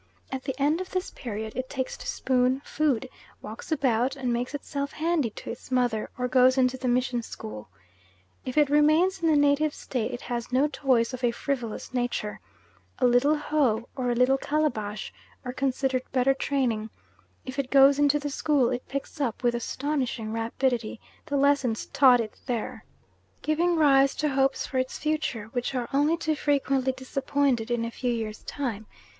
At the end of this period it takes to spoon food, walks about and makes itself handy to its mother or goes into the mission school. If it remains in the native state it has no toys of a frivolous nature, a little hoe or a little calabash are considered better training; if it goes into the school, it picks up, with astonishing rapidity, the lessons taught it there giving rise to hopes for its future which are only too frequently disappointed in a few years' time.